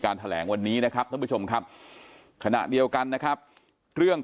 แถลงวันนี้นะครับท่านผู้ชมครับขณะเดียวกันนะครับเรื่อง